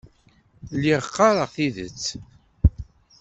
Lliɣ qqareɣ tidet.